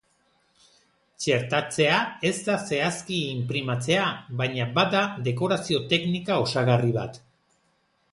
Txertatzea ez da zehazki inprimatzea, baina bada dekorazio-teknika osagarri bat.